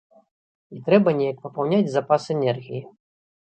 І трэба неяк папаўняць запас энергіі.